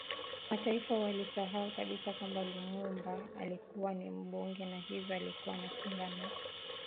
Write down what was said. Mataifa walisahau kabisa kwamba Lumumba alikuwa ni Mbunge na hivyo alikuwa na Kinga na